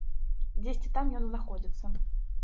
Дзесьці там ён знаходзіцца.